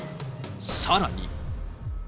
さらに。